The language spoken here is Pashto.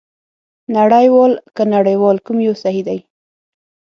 نړۍوال که نړیوال کوم یو صحي دی؟